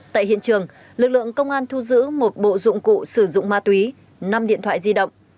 tại hiện trường lực lượng công an thu giữ một bộ dụng cụ sử dụng ma túy năm điện thoại di động